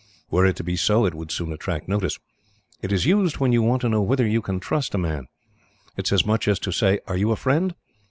Were it to be so, it would soon attract notice. It is used when you want to know whether you can trust a man. It is as much as to say, 'Are you a friend?